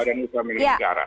di badan usaha milik negara